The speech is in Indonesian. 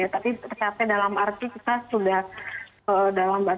terima kasih pak